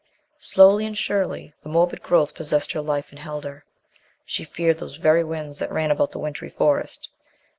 Slowly and surely the morbid growth possessed her life and held her. She feared those very winds that ran about the wintry forest.